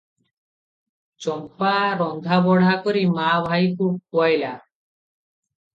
ଚମ୍ପା ରନ୍ଧାବଢ଼ା କରି ମା ଭାଇଙ୍କୁ ଖୁଆଇଲା ।